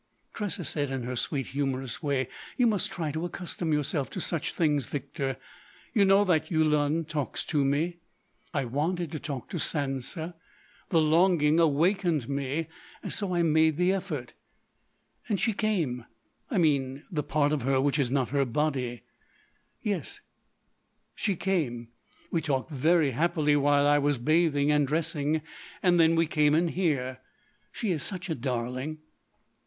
Tressa said in her sweet, humorous way: "You must try to accustom yourself to such things, Victor. You know that Yulun talks to me.... I wanted to talk to Sansa. The longing awakened me. So—I made the effort." "And she came—I mean the part of her which is not her body." "Yes, she came. We talked very happily while I was bathing and dressing. Then we came in here. She is such a darling!"